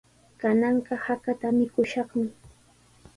Kananqa hakata mikushaqmi.